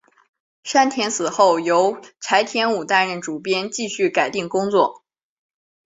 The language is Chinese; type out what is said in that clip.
山田死后由柴田武担任主编继续改订工作。